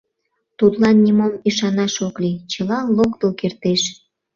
Тудлан нимом ӱшанаш ок лий, чыла локтыл кертеш.